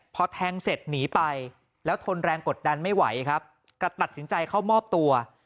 พอแทงเสร็จหนีไปแล้วทนแรงกดดันไม่ไหวครับกระตัดสินใจเข้ามอบตัว